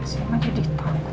saya mah jadi takut